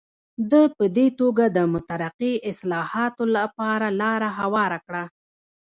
ده په دې توګه د مترقي اصلاحاتو لپاره لاره هواره کړه.